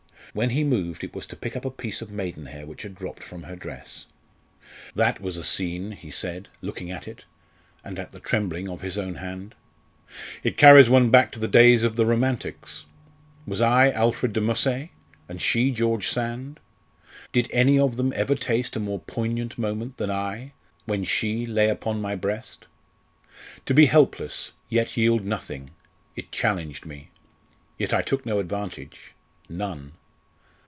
When he moved it was to pick up a piece of maidenhair which had dropped from her dress. "That was a scene!" he said, looking at it, and at the trembling of his own hand. "It carries one back to the days of the Romantics. Was I Alfred de Musset? and she George Sand? Did any of them ever taste a more poignant moment than I when she lay upon my breast? To be helpless yet yield nothing it challenged me! Yet I took no advantage none.